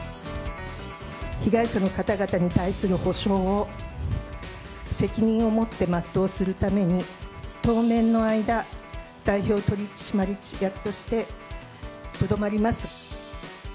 被害者の方々に対する補償を責任を持って全うするために、当面の間、代表取締役としてとどまります。